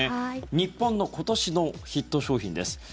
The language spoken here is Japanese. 日本の今年のヒット商品です。